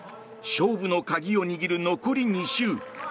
勝負の鍵を握る残り２周。